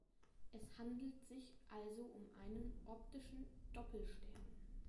Es handelt sich also um einen "optischen Doppelstern".